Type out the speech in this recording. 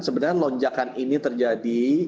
sebenarnya lonjakan ini terjadi